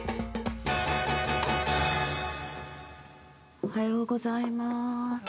おはようございまーす。